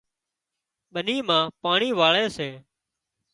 ٻني مان پاڻي واۯي سي